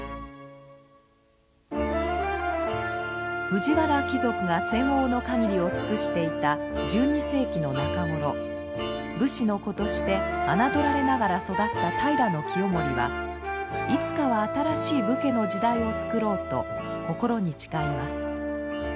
藤原貴族が専横の限りを尽くしていた１２世紀の中頃武士の子として侮られながら育った平清盛はいつかは新しい武家の時代を作ろうと心に誓います。